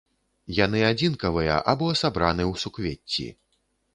Яны адзінкавыя або сабраны ў суквецці.